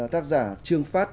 tác giả trương phát